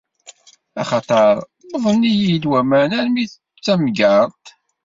Axaṭer wwḍen-iyi-d waman armi d tamegreḍt!